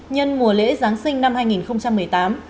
nhân mùa lễ giáng sinh năm hai nghìn một mươi tám